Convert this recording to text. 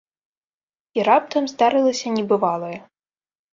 І раптам здарылася небывалае.